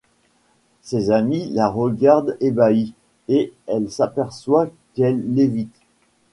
Ses amis la regardent ébahis, et elle s'aperçoit qu'elle lévite.